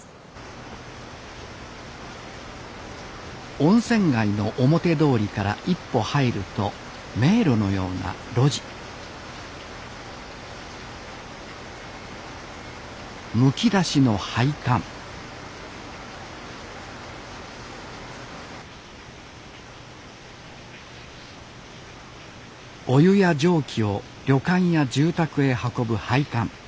温泉街の表通りから一歩入ると迷路のような路地むき出しの配管お湯や蒸気を旅館や住宅へ運ぶ配管。